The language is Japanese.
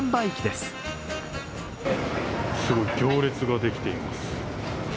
すごい、行列ができています。